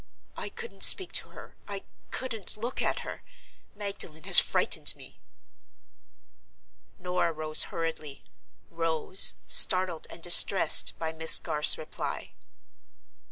I couldn't speak to her; I couldn't look at her. Magdalen has frightened me." Norah rose hurriedly; rose, startled and distressed by Miss Garth's reply.